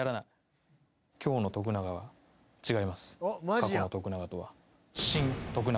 過去の徳永とは。